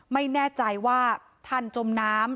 ไม่แน่ใจว่าท่านจมน้ำ